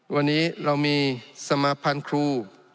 วันนี้เรามีสมาพันธ์ครู